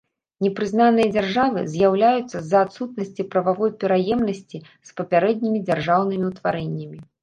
Непрызнаныя дзяржавы з'яўляюцца з-за адсутнасці прававой пераемнасці з папярэднімі дзяржаўнымі ўтварэннямі.